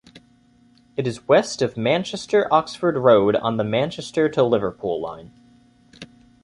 It is west of Manchester Oxford Road on the Manchester to Liverpool Line.